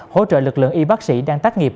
hỗ trợ lực lượng y bác sĩ đang tác nghiệp